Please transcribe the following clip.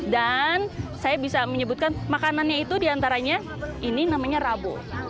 dan saya bisa menyebutkan makanannya itu diantaranya ini namanya rabur